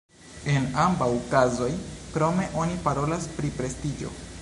En ambaŭ kazoj, krome, oni parolas pri prestiĝo.